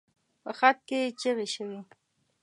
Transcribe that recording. په خط کې چيغې شوې.